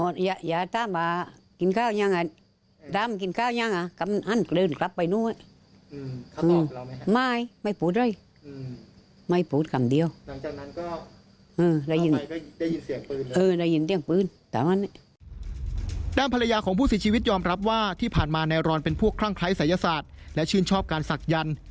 ด้านภรรยาของผู้สิทธิวิตยอมรับว่าที่ผ่านมานายรอนเป็นพวกคลั่งไพรสัยศาสตร์และชื่นชอบการศักดิ์ยัน